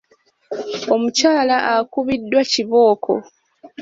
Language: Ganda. Omukyala akubiddwa kibooko.